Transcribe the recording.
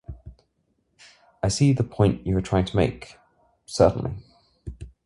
I see the point you are trying to make, certainly.